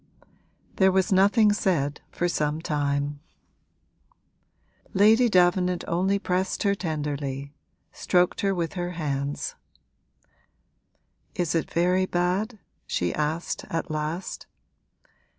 There was nothing said for some time: Lady Davenant only pressed her tenderly stroked her with her hands. 'Is it very bad?' she asked at last.